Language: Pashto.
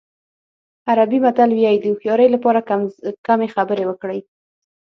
عربي متل وایي د هوښیارۍ لپاره کمې خبرې وکړئ.